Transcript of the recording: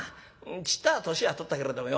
ちっとは年は取ったけれどもよ